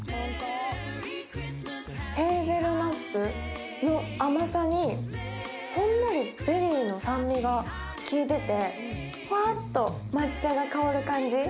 ヘーゼルナッツの甘さにほんのりリベリーの酸味が利いててふわっと抹茶が香る感じ。